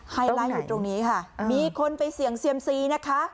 ไฮไลท์อยู่ตรงนี้ค่ะมีคนไปเสี่ยงเซียมซีนะคะ